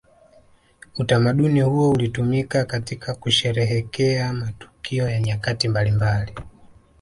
Utamaduni huo ulitumika katika kusherehekea matukio ya nyakati mbalimbali